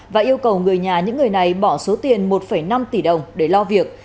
và yêu cầu người nhà những người này bỏ số tiền một năm tỷ đồng để lo việc